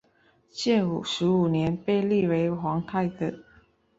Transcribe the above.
建武十五年被立为皇太子。